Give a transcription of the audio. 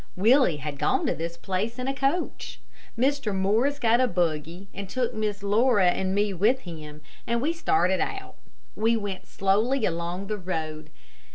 Willie had gone to this place in a coach. Mr. Morris got a buggy and took Miss Laura and me with him, and we started out. We went slowly along the road.